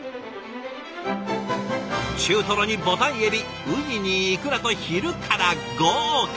中トロにボタンエビウニにイクラと昼から豪華！